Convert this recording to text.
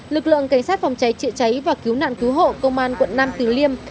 lực lượng cảnh sát phòng cháy trựa cháy và cứu nạn cứu hộ công an quận năm tứ liêm